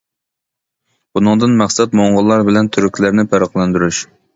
بۇنىڭدىن مەقسەت موڭغۇللار بىلەن تۈركلەرنى پەرقلەندۈرۈش.